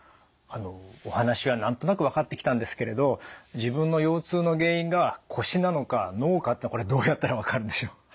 お話は何となく分かってきたんですけれど自分の腰痛の原因が腰なのか脳かってのはこれどうやったら分かるんでしょう？